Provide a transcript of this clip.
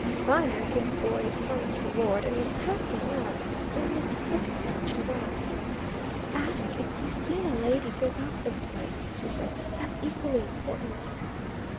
Viner gave the boy his promised reward, and was passing on when Miss Wickham touched his arm. "Ask if he's seen a lady go out this way," she said. "That's equally important."